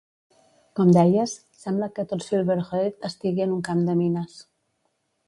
Com deies, sembla que tot Silverhöjd estigui en un camp de mines.